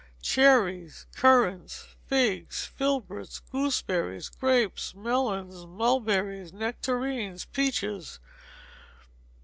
Cherries, currants, figs, filberts, gooseberries, grapes, melons, mulberries, nectarines, peaches.